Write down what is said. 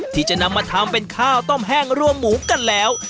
ที่จะนำมาทำเป็นข้าวต้มแห้งรวมหมูกันแล้ว